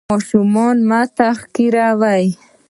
ماشومان مه تحقیروئ.